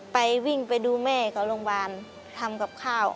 วิ่งไปดูแม่กับโรงพยาบาลทำกับข้าว